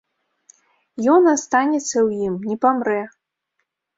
Ён астанецца ў ім, не памрэ.